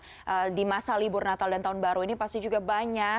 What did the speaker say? kejadian kembali di sebuah kubur natal dan tahun baru ini pasti juga banyak